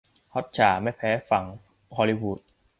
ฮอตฉ่าไม่แพ้ฝั่งฮอลลีวูด